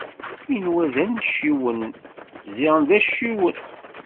Inwa d anciwen, ziɣen d acciwen.